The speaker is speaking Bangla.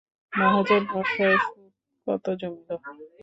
মহাজন-মহাশয়, সুদ কত জমিল?